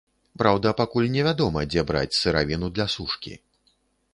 Праўда, пакуль невядома, дзе браць сыравіну для сушкі.